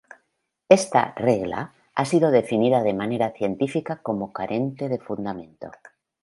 Esta "regla" ha sido definida de manera científica como carente de fundamento.